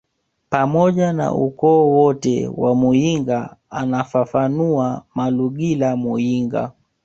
pamoja na ukoo wote wa muyinga anafafanua Malugila Muyinga